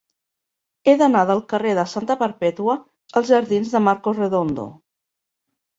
He d'anar del carrer de Santa Perpètua als jardins de Marcos Redondo.